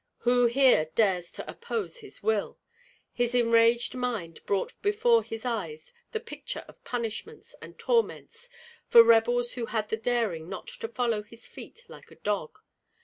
Who here dares to oppose his will? His enraged mind brought before his eyes the picture of punishments and torments for rebels who had the daring not to follow his feet like a dog.